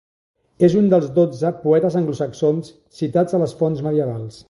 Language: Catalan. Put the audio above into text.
És un dels dotze poetes anglosaxons citats a les fonts medievals.